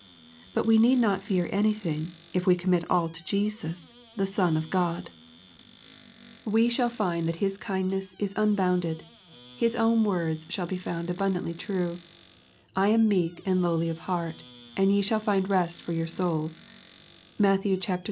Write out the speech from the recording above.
But we need not fear anything, if we commit all to Jesus, the Son of God. LUKE, CHAP, IX. 299 We shall find that His kindness is unbounded. His own words shall be found abundantly true :^' I am meek and lowly of heart, and ye shall find rest to your souls." (Matt. ii. 29.)